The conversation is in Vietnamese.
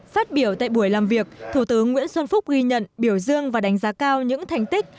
phát biểu tại buổi làm việc thủ tướng nguyễn xuân phúc ghi nhận biểu dương và đánh giá cao những thành tích